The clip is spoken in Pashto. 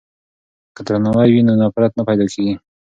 که درناوی وي نو نفرت نه پیدا کیږي.